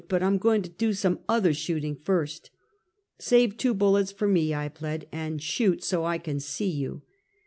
But I'm going to do some other shooting first." "Save two bullets for me! " I plead, "and shoot so that I can see you."